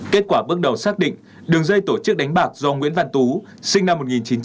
kết quả bước đầu xác định đường dây tổ chức đánh bạc do nguyễn văn tú sinh năm một nghìn chín trăm chín mươi